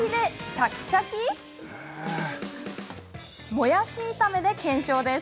もやし炒めで検証です。